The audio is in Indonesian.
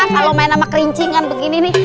kalau main sama kerincingan begini nih